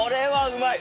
うまい！